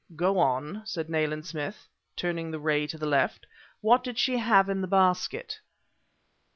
"Go on," said Nayland Smith, turning the ray to the left, "what did she have in the basket?"